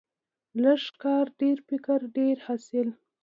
لږ کار، ډیر فکر، ډیر حاصل.